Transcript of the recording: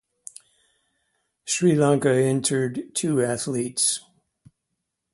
Sri Lanka entered two athletes.